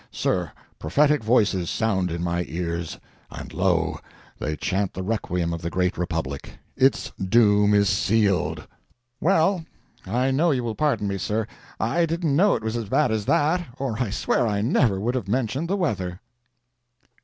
Sir, prophetic voices sound in my ears, and lo, they chant the requiem of the great Republic! Its doom is sealed!" "Well, I know you will pardon me, sir. I didn't know it was as bad as that, or I swear I never would have mentioned the weather."